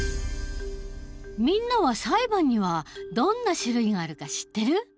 みんなは裁判にはどんな種類があるか知ってる？